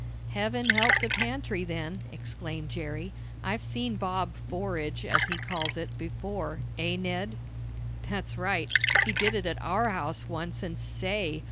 "Heaven help the pantry, then!" exclaimed Jerry. "I've seen Bob 'forage,' as he calls it, before; eh, Ned?" "That's right. He did it at our house once, and say!